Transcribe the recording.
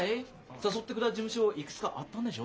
誘ってくれた事務所いくつかあったんでしょ？